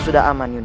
kepas lagi bol